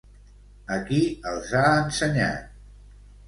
A qui els ha ensenyat?